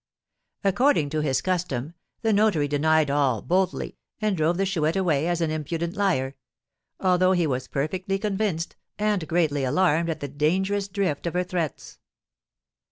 According to his custom, the notary denied all boldly, and drove the Chouette away as an impudent liar, although he was perfectly convinced, and greatly alarmed at the dangerous drift of her threats.